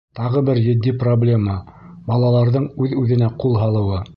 Тағы бер етди проблема — балаларҙың үҙ-үҙенә ҡул һалыуы.